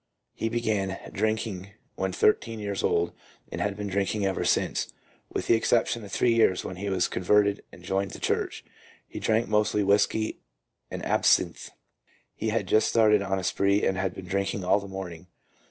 He began drinking when thir teen years old, and had been drinking ever since, with the exception of three years when he was con verted and joined the church. He drank mostly whisky and absinthe. He had just started on a spree and had been drinking all the morning.